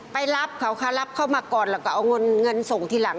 ไปรับเขาค่ะรับเข้ามาก่อนแล้วก็เอาเงินเงินส่งทีหลัง